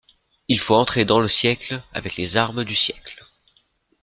Il faut entrer dans le siècle, avec les armes du siècle.